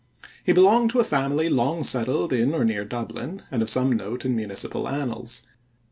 He belonged to a family long settled in or near Dublin and of some note in municipal annals.